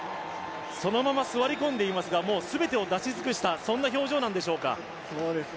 そのまま座り込んでいますが全てを出し尽くしたそんな表情なんでしょうか。